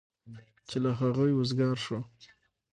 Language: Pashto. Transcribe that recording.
چې له هغوی وزګار شو.